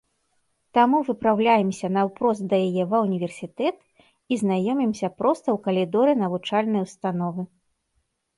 Таму выпраўляемся наўпрост да яе ва ўніверсітэт і знаёмімся проста ў калідоры навучальнай установы.